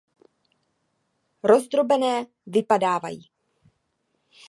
Rozdrobené vypadávají